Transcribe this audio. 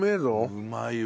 うまいわ。